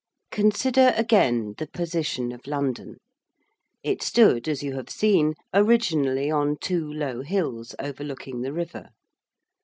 Consider, again, the position of London. It stood, as you have seen, originally on two low hills overlooking the river.